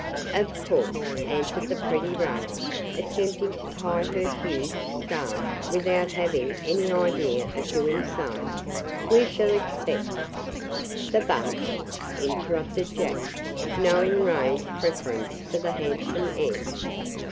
"Of course," answered the pretty Ray, attempting to tie her huge scarf, without having any idea of doing so. "We shall expect " "The bunch?" interrupted Jack, knowing Ray's preference for the handsome Ed.